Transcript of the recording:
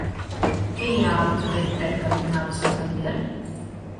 Què hi ha al carrer Tren cantonada Santander?